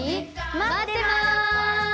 まってます！